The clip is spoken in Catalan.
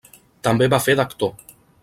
També va fer d'actor.